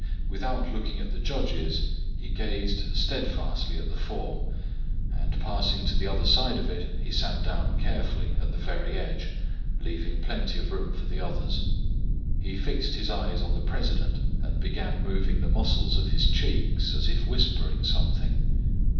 Without looking at the judges he gazed steadfastly at the form, and passing to the other side of it, he sat down carefully at the very edge, leaving plenty of room for the others. He fixed his eyes on the president, and began moving the muscles of his cheeks, as if whispering something.